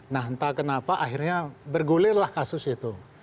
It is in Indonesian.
nah entah kenapa akhirnya bergulirlah kasus itu